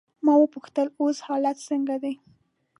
ما وپوښتل: اوس حالات څنګه دي؟